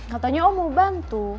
katanya om mau bantu